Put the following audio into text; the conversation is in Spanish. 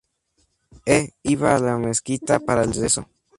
E iba a la Mezquita para el rezo.